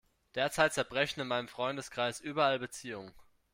Derzeit zerbrechen in meinem Freundeskreis überall Beziehungen.